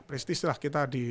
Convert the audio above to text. prestis lah kita di